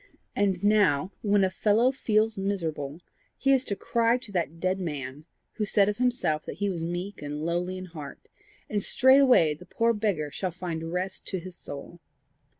And now, when a fellow feels miserable, he is to cry to that dead man, who said of himself that he was meek and lowly in heart, and straightway the poor beggar shall find rest to his soul!